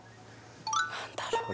何だろう？